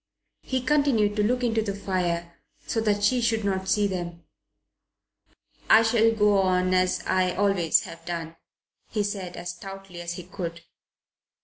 He continued to look into the fire, so that she should not see them. "I shall go on as I always have done," he said as stoutly as he could.